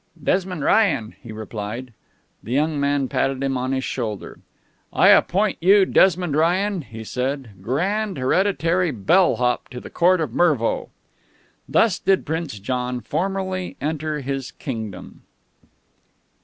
"Desmond Ryan," he replied. The young man patted him on his shoulder. "I appoint you, Desmond Ryan," he said, "Grand Hereditary Bell Hop to the Court of Mervo." Thus did Prince John formally enter into his kingdom.